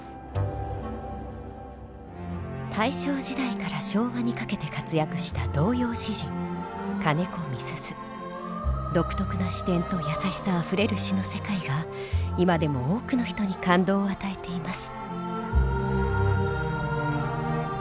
大正時代から昭和にかけて活躍した独特な視点と優しさあふれる詩の世界が今でも多くの人に感動を与えています。